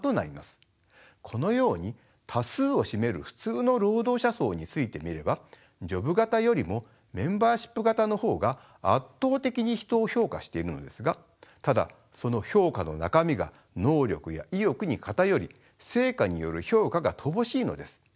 このように多数を占める普通の労働者層についてみればジョブ型よりもメンバーシップ型の方が圧倒的に人を評価しているのですがただその評価の中身が能力や意欲に偏り成果による評価が乏しいのです。